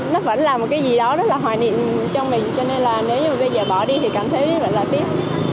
nó vẫn là một cái gì đó rất là hoài niệm cho mình cho nên là nếu như bây giờ bỏ đi thì cảm thấy rất là tiếc